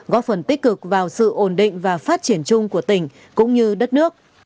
góp phần tích cực vào sự ổn định và phát triển chung của tỉnh cũng như đất nước